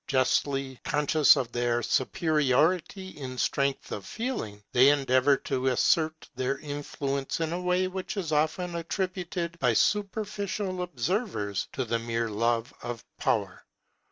Justly conscious of their superiority in strength of feeling, they endeavour to assert their influence in a way which is often attributed by superficial observers to the mere love of power.